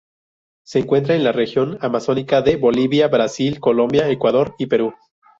Se encuentra en la región amazónica de Bolivia, Brasil, Colombia, Ecuador y Perú.